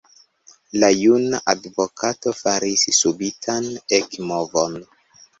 La juna advokato faris subitan ekmovon.